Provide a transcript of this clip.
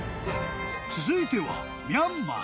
［続いては］